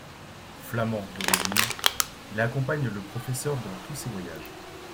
Flamand d'origine, il accompagne le professeur dans tous ses voyages.